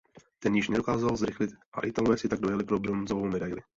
Ten již nedokázal zrychlit a Italové si tak dojeli pro bronzovou medaili.